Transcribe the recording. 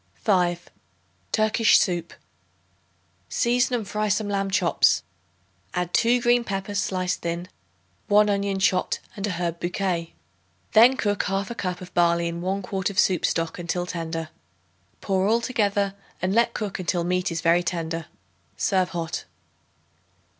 5. Turkish Soup. Season and fry some lamb chops; add 2 green peppers sliced thin, 1 onion chopped and an herb bouquet. Then cook 1/2 cup of barley in 1 quart of soup stock until tender. Pour all together and let cook until meat is very tender. Serve hot.